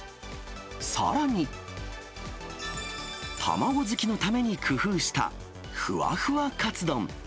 さらに、卵好きのために工夫した、ふわふわカツ丼。